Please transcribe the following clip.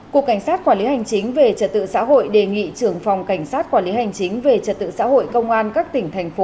cục cảnh sát quản lý hành chính về trật tự xã hội đề nghị trưởng phòng cảnh sát quản lý hành chính về trật tự xã hội công an các tỉnh thành phố